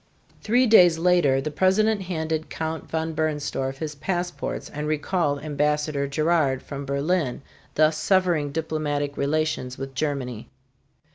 Three days later the President handed Count von Bernstorff his passports and recalled Ambassador Gerard´ from Berlin, thus severing diplomatic relations with Germany.